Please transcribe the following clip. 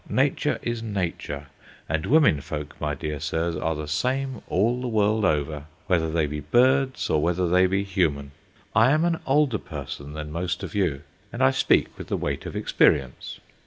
Nature is nature, and womenfolk, my dear sirs, are the same all the world over, whether they be birds or whether they be human. I am an older person than most of you, and I speak with the weight of experience.